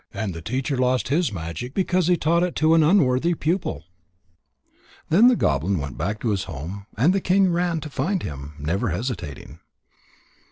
And the teacher lost his magic because he taught it to an unworthy pupil." Then the goblin went back to his home. And the king ran to find him, never hesitating.